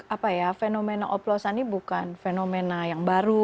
apa ya fenomena oplosan ini bukan fenomena yang baru